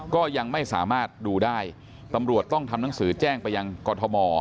ก็ยังไม่สามารถดูได้ตำรวจต้องทำหนังสือแจ้งไปยังกรทม